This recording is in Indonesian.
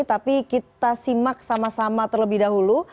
tapi kita simak sama sama terlebih dahulu